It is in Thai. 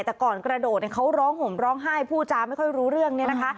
แต่ก่อนกระโดดเนี่ยเขาร้องห่มร้องไห้พูดจาไม่ค่อยรู้เรื่องเนี่ยนะคะ